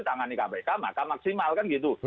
tangani kpk maka maksimal kan gitu